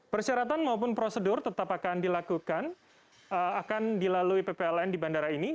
persyaratan maupun prosedur tetap akan dilakukan akan dilalui ppln di bandara ini